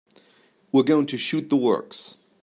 We're going to shoot the works.